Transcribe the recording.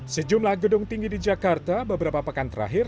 sejumlah gedung tinggi di jakarta beberapa pekan terakhir